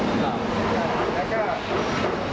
เพื่อแฟนแกลงลงแล้วแกก็จะเข้ารถมาจอดตรงรถ